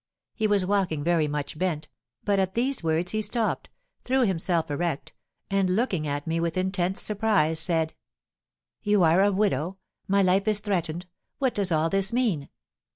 He was walking very much bent, but at these words he stopped, threw himself erect, and looking at me with intense surprise, said: "'You are a widow? My life is threatened? What does all this mean?'